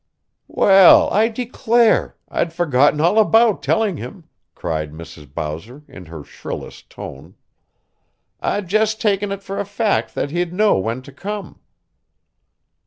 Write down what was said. "Well, I declare! I'd forgotten all about telling him," cried Mrs. Bowser in her shrillest tone. "I'd just taken it for a fact that he'd know when to come."